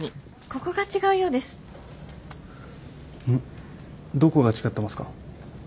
どこが違ってますか？